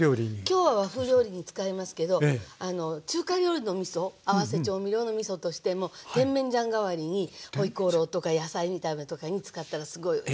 今日は和風料理に使いますけど中華料理のみそ合わせ調味料のみそとしても甜麺醤代わりにホイコーローとか野菜炒めとかに使ったらすごいおいしいと。